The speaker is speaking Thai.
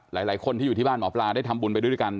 หลายคนที่อยู่ที่บ้านหมอปลาได้ทำบุญไปด้วยกัน